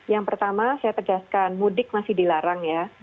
yang pertama saya tegaskan mudik masih dilarang ya